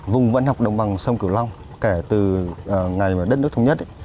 vùng văn học đồng bằng sông cửu long kể từ ngày mà đất nước thống nhất